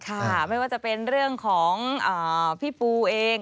ไม่ว่าจะเป็นเรื่องของพี่ปูเอง